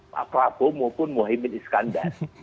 pak prabowo maupun muhaymin iskandar